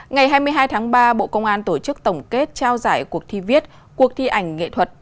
ngày hai mươi hai tháng ba bộ công an tổ chức tổng kết trao giải cuộc thi viết cuộc thi ảnh nghệ thuật